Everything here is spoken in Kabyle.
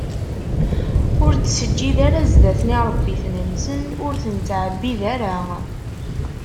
Ur ttseǧǧid ara zdat n iṛebbiten-nsen, ur ten-ttɛebbid ara.